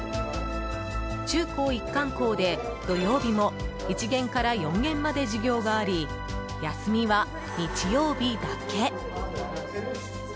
中高一貫校で、土曜日も１限から４限まで授業があり休みは日曜日だけ。